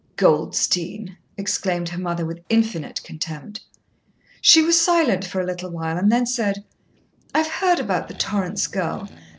"Goldstein!" exclaimed her mother with infinite contempt. She was silent for a little while and then said, "I've heard about the Torrance girl.